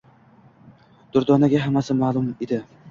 Durdonaga hammasi ma`lum edi